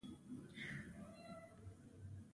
غول د وجود غلچکي راایستونکی دی.